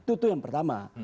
itu yang pertama